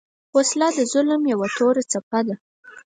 وسله د ظلم یو توره څپه ده